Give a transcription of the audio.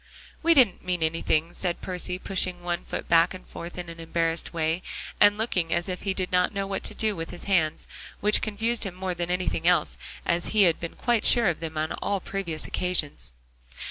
"We didn't mean anything," said Percy, pushing one foot back and forth in an embarrassed way, and looking as if he did not know what to do with his hands, which confused him more than anything else, as he had been quite sure of them on all previous occasions.